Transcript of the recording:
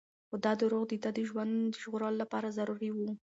خو دا دروغ د ده د ژوند د ژغورلو لپاره ضروري وو.